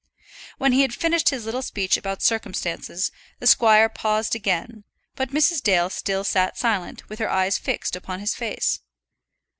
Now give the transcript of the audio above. When he had finished his little speech about circumstances, the squire paused again; but Mrs. Dale still sat silent, with her eyes fixed upon his face.